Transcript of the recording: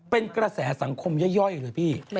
เป็นเกษตรสังคมเย้อยเลยพี่